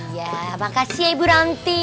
iya makasih ibu ranti